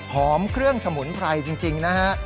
เครื่องสมุนไพรจริงนะฮะ